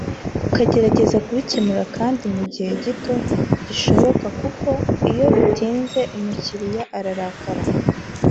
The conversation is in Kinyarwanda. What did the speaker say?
ukagerageza kubikemura kandi mu gihe gito gishoboka kuko iyo bitinze umukiriya ararakara